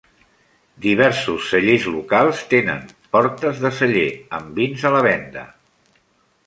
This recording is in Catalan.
Diversos cellers locals tenen "portes de celler" amb vins a la venda.